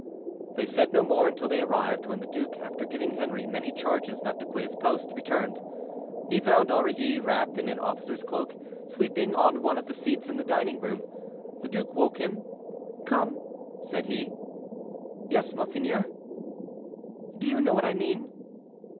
They said no more until they arrived, when the duke, after giving Henri many charges not to quit his post, returned. He found Aurilly wrapped in an officer's cloak, sleeping on one of the seats in the dining room. The duke woke him. "Come," said he. "Yes, monseigneur." "Do you know what I mean?"